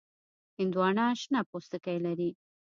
هندوانه شنه پوستکی لري.